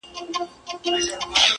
گراني شاعري زه هم داسي يمه